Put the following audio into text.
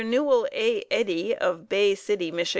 Newell A. Eddy of Bay City, Mich.